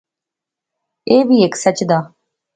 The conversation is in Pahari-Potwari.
ایہہ وی ہیک سچ دا